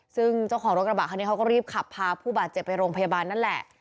ซึ่งเจ้าของรถกระบะคันนี้เขาก็รีบขับพาผู้บาดเจ็บไปโรงพยาบาลนั่นแหละ